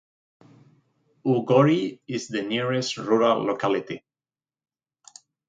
Ugorye is the nearest rural locality.